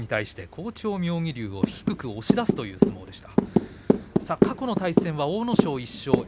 きのうは、好調の妙義龍は低く押し出すという相撲でした。